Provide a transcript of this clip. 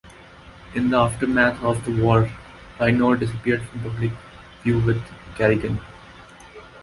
In the aftermath of the war, Raynor disappears from public view with Kerrigan.